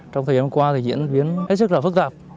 trong thời gian qua thì diễn biến hết sức là phức tạp